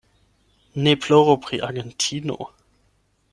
Ne ploru pri Argentino!